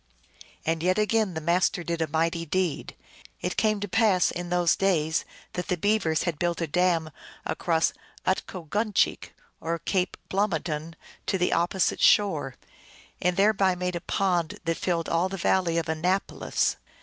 And yet again the Master did a mighty deed. It came to pass in those days that the Beavers had built a dam across from Utkoguncheek, or Cape Blomidon, to the opposite shore, and thereby made a pond that filled all the valley of Annapolis.